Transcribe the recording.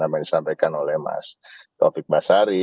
apa yang disampaikan oleh mas taufik basari